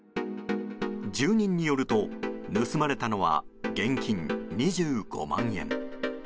住人によると盗まれたのは、現金２５万円。